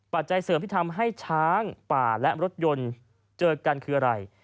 จัยเสริมที่ทำให้ช้างป่าและรถยนต์เจอกันคืออะไร